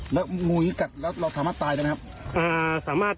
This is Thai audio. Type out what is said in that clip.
แล้วงูงี้กัดแล้วเราสามารถตายได้ไหมฮะอ่าสามารถ